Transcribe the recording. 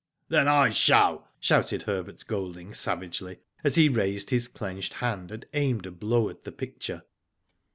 Then I shall," shouted Herbert Golding, savagely, as he raised his clenched hand and aimed a blow at the picture.